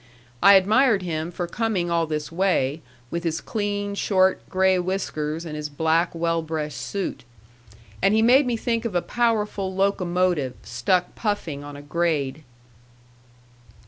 I admired him for coming all this way with his clean, short, gray whiskers and his black, well brushed suit. And he made me think of a powerful locomotive stuck puffing on a grade.